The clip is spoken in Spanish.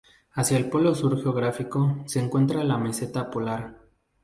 Hacia el Polo Sur geográfico se encuentra la meseta Polar.